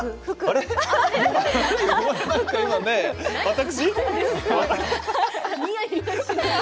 私？